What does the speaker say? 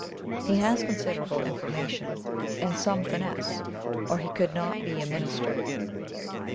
He has considerable information, and some finesse; or he could not be a Minister.